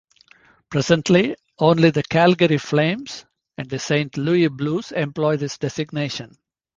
Presently, only the Calgary Flames, and the Saint Louis Blues employ this designation.